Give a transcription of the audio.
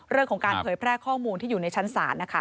เรื่องของการเผยแพร่ข้อมูลที่อยู่ในชั้นศาลนะคะ